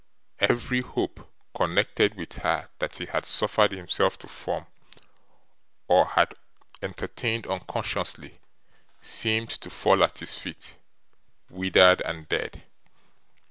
Every hope connected with her that he had suffered himself to form, or had entertained unconsciously, seemed to fall at his feet, withered and dead.